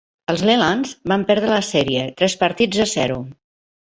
Els Lelands van perdre la sèrie, tres partits a zero.